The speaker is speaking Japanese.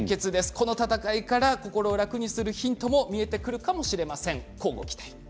この戦いから心を楽にするヒントも見えてくるかもしれません。